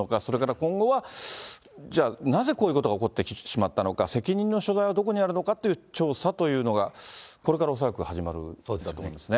今後はじゃあ、なぜこういうことが起こってしまったのか、責任の所在はどこにあるのかっていう調査というのが、これから恐らく始まるんだと思いますね。